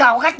dừng lại đây